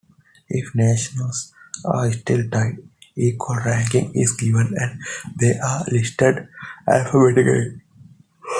If nations are still tied, equal ranking is given and they are listed alphabetically.